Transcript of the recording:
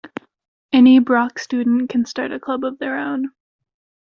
Any Brock student can start a club of their own.